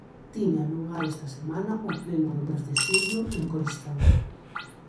Tiña lugar esta semana o pleno do mes de xullo en Coristanco.